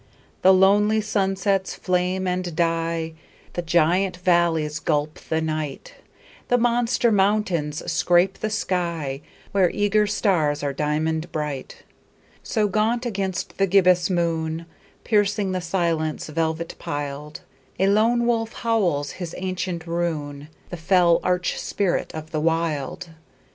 The lonely sunsets flame and die; The giant valleys gulp the night; The monster mountains scrape the sky, Where eager stars are diamond bright. So gaunt against the gibbous moon, Piercing the silence velvet piled, A lone wolf howls his ancient rune— The fell arch spirit of the Wild.